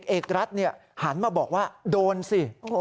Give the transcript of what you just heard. เอกรัฐหันมาบอกว่าโดนสิ